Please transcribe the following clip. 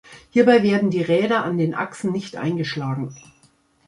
Hierbei werden die Räder an den Achsen nicht eingeschlagen.